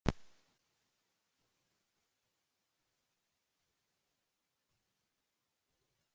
Phillips is attached to the western rim.